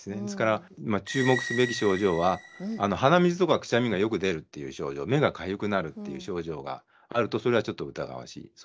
ですから注目すべき症状は鼻水とかくしゃみがよく出るっていう症状目がかゆくなるっていう症状があるとそれはちょっと疑わしい。